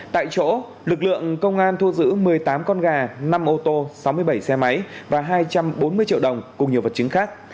tại chỗ lực lượng công an thu giữ một mươi tám con gà năm ô tô sáu mươi bảy xe máy và hai trăm bốn mươi triệu đồng cùng nhiều vật chứng khác